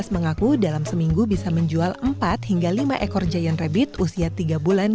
mengaku dalam seminggu bisa menjual empat hingga lima ekor giant rabbit usia tiga bulan